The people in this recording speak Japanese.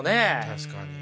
確かに。